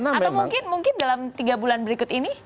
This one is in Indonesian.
atau mungkin mungkin dalam tiga bulan berikut ini